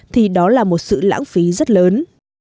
thì đó là một sự lãng phí rất lớn